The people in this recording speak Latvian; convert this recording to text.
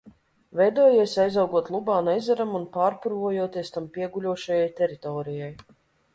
Veidojies, aizaugot Lubāna ezeram un pārpurvojoties tam pieguļošajai teritorijai.